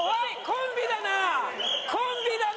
コンビだなあ。